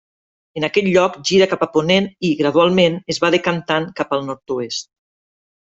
En aquest lloc gira cap a ponent i, gradualment, es va decantant cap al nord-oest.